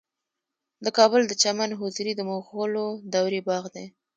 د کابل د چمن حضوري د مغلو دورې باغ دی